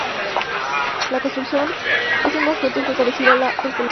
La construcción en su conjunto es muy parecida a la de "El columpio".